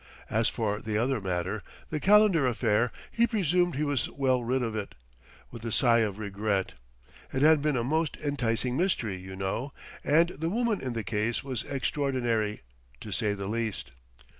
As for the other matter, the Calendar affair, he presumed he was well rid of it, with a sigh of regret. It had been a most enticing mystery, you know; and the woman in the case was extraordinary, to say the least.